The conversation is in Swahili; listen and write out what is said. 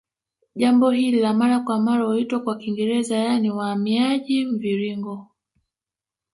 Jambo hili la mara kwa mara huitwa kwa Kiingereza yaani uhamiaji mviringo